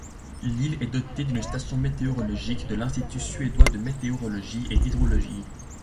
L'île est dotée d'une station météorologique de l'Institut suédois de météorologie et d'hydrologie.